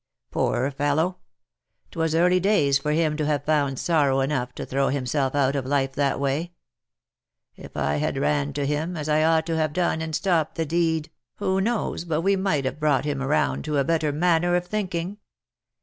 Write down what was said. Poor fellow ! 'Twas early days for him to have found sorrow enough to throw himself out of life that way ! If I had ran to him, as I ought to have done, and stopped the deed, who knows but we might have brought him round to a better manner of thinking